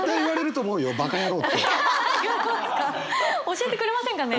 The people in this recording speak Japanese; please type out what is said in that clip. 教えてくれませんかね？